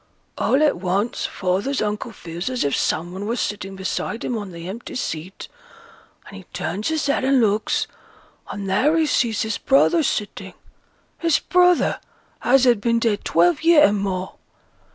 All at once father's uncle feels as if some one were sitting beside him on th' empty seat; and he turns his head and looks, and there he sees his brother sitting his brother as had been dead twelve year and more.